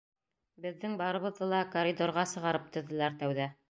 Беҙҙең барыбыҙҙы ла коридорға сығарып теҙҙеләр тәүҙә.